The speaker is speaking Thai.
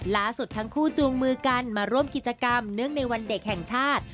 ล่าสุดทั้งคู่จูงมือกันมาร่วมกิจกรรมเนื่องในวันเด็กแห่งชาติ